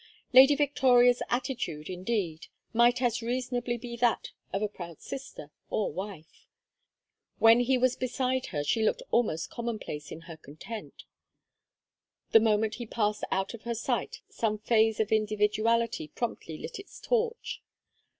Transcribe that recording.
Lady Victoria's attitude, indeed, might as reasonably be that of a proud sister or wife. When he was beside her she looked almost commonplace in her content. The moment he passed out of her sight some phase of individuality promptly lit its torch.